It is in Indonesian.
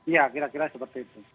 ya kira kira seperti itu